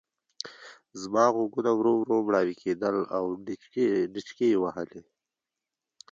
زما غوږونه ورو ورو مړاوي کېدل او ډينچکې وهلې.